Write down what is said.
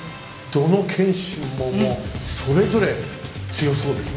どの謙信ももうそれぞれ強そうですね。